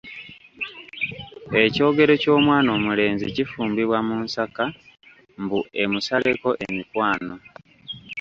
Ekyogero ky'omwana omulenzi kifumbibwa mu nsaka mbu emusakire emikwano.